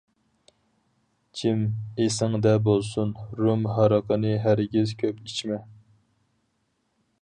جىم، ئېسىڭدە بولسۇن، رۇم ھارىقىنى ھەرگىز كۆپ ئىچمە.